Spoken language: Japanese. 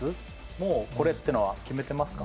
もうこれってのは決めてますか？